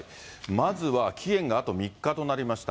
まずは期限があと３日となりました